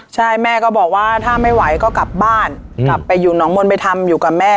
ใช่แม่ก็บอกว่าถ้าไม่ไหวก็กลับบ้านกลับไปอยู่หนองมนต์ไปทำอยู่กับแม่